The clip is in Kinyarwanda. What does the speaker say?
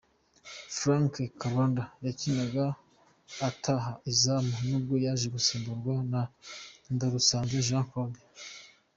Frank Kalanda yakinaga ataha izamu nubwo yaje gusimburwa na Ndarusanze Jean Claude.